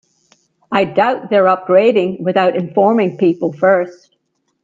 I doubt they're upgrading without informing people first.